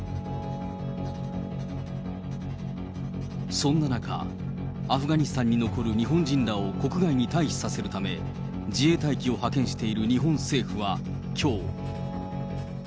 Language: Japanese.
そんな中、アフガニスタンに残る日本人らを国外に退避させるため、自衛隊機を派遣している日本政府はきょう。